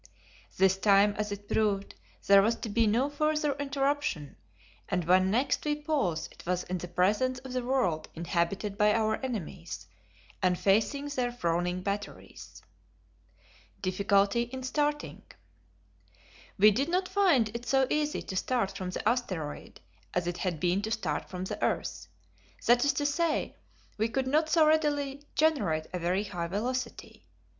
This time, as it proved, there was to be no further interruption, and when next we paused it was in the presence of the world inhabited by our enemies, and facing their frowning batteries. Difficulty in Starting. We did not find it so easy to start from the asteroid as it had been to start from the earth; that is to say, we could not so readily generate a very high velocity.